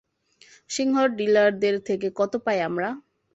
সিংহল ডিলারদের থেকে কত পাই আমরা?